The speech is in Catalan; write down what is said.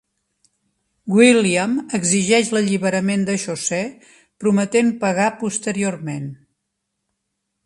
William exigeix l'alliberament de Chaucer prometent pagar posteriorment.